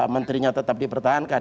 menterinya tetap dipertahankan